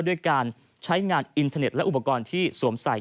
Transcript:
ด้วยการใช้งานอินเทอร์เน็ตและอุปกรณ์ที่สวมใส่